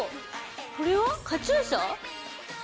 これはカチューシャ？